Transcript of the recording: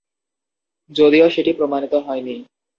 যদিও সেটি প্রমাণিত হয়নি।